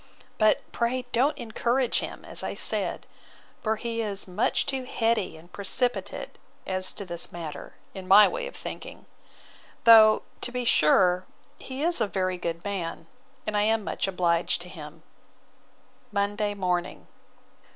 But pray don't encourage him, as I said; for he is much too heady and precipitate as to this matter, in my way of thinking; though, to be sure, he is a very good man, and I am much obliged to him. Monday morning.